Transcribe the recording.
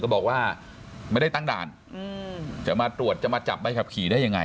บอกว่าไม่ได้ตั้งด่านจะมาตรวจจะมาจับใบขับขี่ได้ยังไง